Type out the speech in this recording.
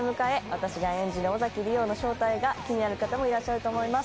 私が演じる尾崎莉桜の正体が気になる方もいると思います。